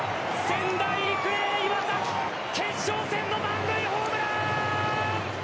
仙台育英、岩崎決勝戦の満塁ホームラン！